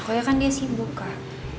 pokoknya kan dia sibuk kan